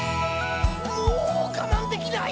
もうがまんできない！